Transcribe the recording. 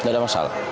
tidak ada masalah